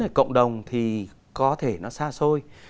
ở cộng đồng thì có thể nó xa xôi